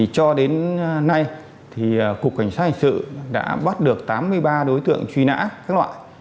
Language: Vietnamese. cho đến nay cục cảnh sát hành sự đã bắt được tám mươi ba đối tượng truy nã các loại